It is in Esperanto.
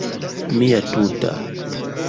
Mia tuta...